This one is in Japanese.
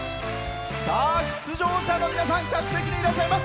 出場者の皆さん客席にいらっしゃいます。